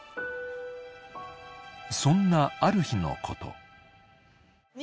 ［そんなある日のこと］